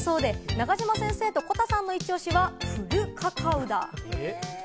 中島先生と、こたさんのイチオシはフルカカウダ。